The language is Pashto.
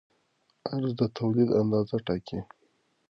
عرضه د تولید اندازه ټاکي.